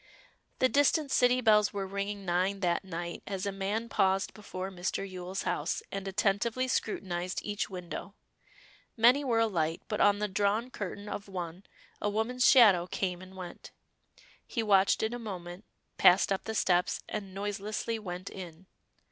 The distant city bells were ringing nine that night as a man paused before Mr. Yule's house, and attentively scrutinized each window. Many were alight, but on the drawn curtain of one a woman's shadow came and went. He watched it a moment, passed up the steps, and noiselessly went in.